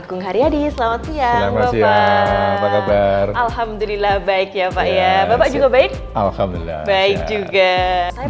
memiliki efektif menghubungi kor successes